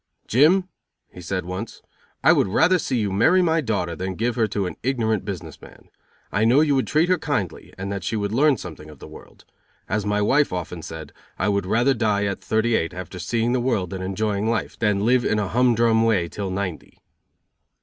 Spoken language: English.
"Jim," he said once, "I would rather see you marry my daughter than give her to an ignorant business man. I know you would treat her kindly and that she would learn something of the world. As my wife often said, I would rather die at thirty eight after seeing the world and enjoying life than live in a humdrum way till ninety."